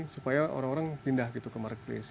supaya orang orang pindah gitu ke markplace